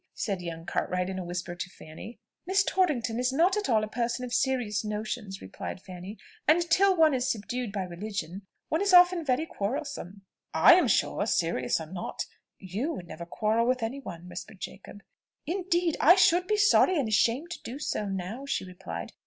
said young Cartwright in a whisper to Fanny. "Miss Torrington is not at all a person of serious notions," replied Fanny; "and till one is subdued by religion, one is often very quarrelsome." "I am sure, serious or not, you would never quarrel with any one," whispered Jacob. "Indeed I should be sorry and ashamed to do so now," she replied.